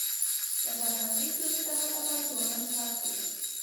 د فرهنګي ستونزو د حل لپاره ځوانان کار کوي.